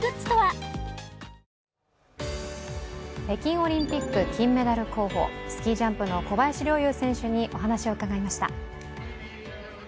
北京オリンピック金メダル候補スキージャンプの小林陵侑選手にお話を伺いました。